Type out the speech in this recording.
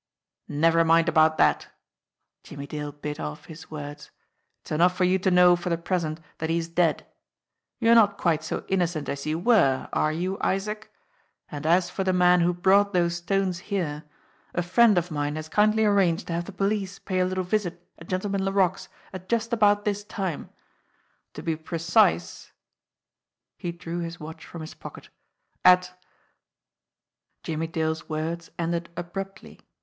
"Never mind about that !" Jimmie Dale bit off his words. "It's enough for you to know for the present that he is dead. You're not quite so innocent as you were are you, Isaac? And as for the man who brought those stones here, a friend of mine has kindly arranged to have the police pay a little visit at Gentleman Laroque's at just about this time; to be precise" he drew his watch from his pocket "at " Jimmie Dale's words ended abruptly.